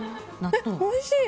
おいしい！